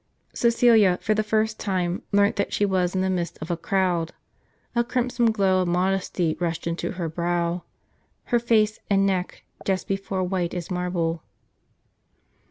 Cgecilia, for the first time, learnt that she was in the midst of a crowd. A crimson glow of modesty rushed into her brow, her face, and neck, just before white as marble.